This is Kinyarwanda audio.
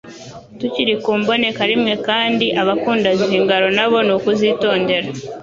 Tukiri ku mbonekarimwe kandi abakunda zingaro nabo ni ukuzitondera